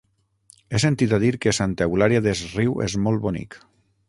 He sentit a dir que Santa Eulària des Riu és molt bonic.